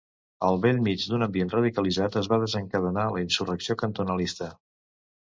Al bell mig d'un ambient radicalitzat, es va desencadenar la insurrecció cantonalista.